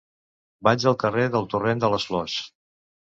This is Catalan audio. Vaig al carrer del Torrent de les Flors.